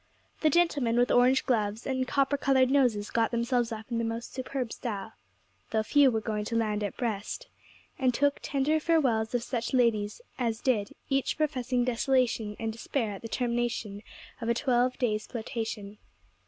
The gentlemen with orange gloves and copper coloured noses got themselves up in the most superb style, though few were going to land at Brest, and took tender farewells of such ladies as did, each professing desolation and despair at the termination of a twelve days' flirtation.